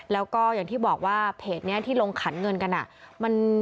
แล้วก็อย่างที่บอกว่าเพจนี้ที่ลงขันเงินกัน